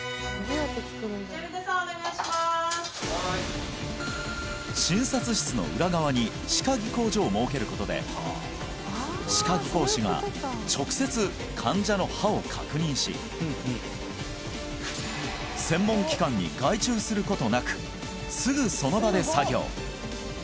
はい診察室の裏側に歯科技工所を設けることで歯科技工士が直接患者の歯を確認し専門機関に外注することなくすぐその場で作業